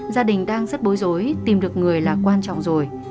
gia đình đang rất bối rối tìm được người là quan trọng rồi